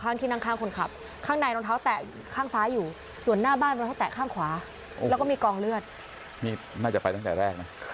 นี่น่าจะไปตั้งแต่แรกนะคืออึดมากอะค่ะ